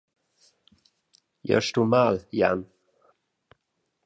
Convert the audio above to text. Jeu stun mal, Jan.